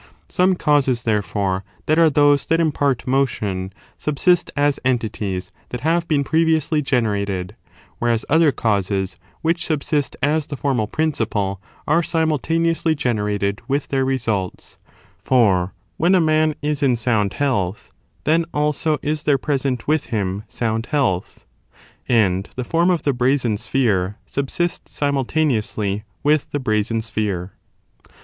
Some causes,^ therefore, that are those that 4. causes impart motion subsist as entities that have been e?i»er pnor to • 1 .jv J.V v«i their effects or previously generated, whereas other causes which coincident with subsist as the formal principle are simultane *^®™* ously generated with their results; for when a man is in soimd health then also is there present with him sound health, and the form of the brazen sphere subsists simul taneously with the brazen sphere.